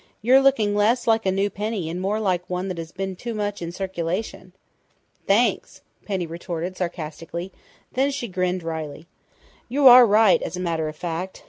You're looking less like a new penny and more like one that has been too much in circulation." "Thanks!" Penny retorted sarcastically; then she grinned wryly. "You are right, as a matter of fact.